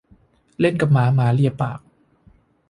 เล่นกับหมา หมาเลียปาก